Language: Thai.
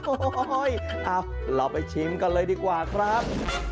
โอ้โหเราไปชิมกันเลยดีกว่าครับ